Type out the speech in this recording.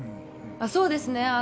そうですね。